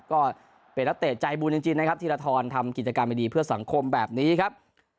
ก็เป็นนักเตะใจบุญจริงนะครับธีรทรทำกิจกรรมดีเพื่อสังคมแบบนี้ครับ